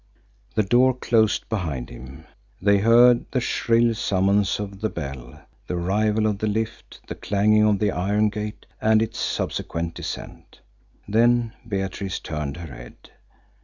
The door closed behind him. They heard the shrill summons of the bell, the arrival of the lift, the clanging of the iron gate, and its subsequent descent. Then Beatrice turned her head.